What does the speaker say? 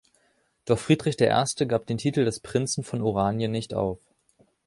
Doch Friedrich I. gab den Titel des Prinzen von Oranien nicht auf.